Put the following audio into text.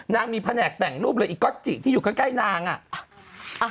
นางมีแผนกแต่งรูปเลยอีกก๊อตจิที่อยู่ใกล้นางอ่ะ